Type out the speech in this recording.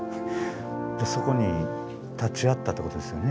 そこに立ち会ったってことですよね。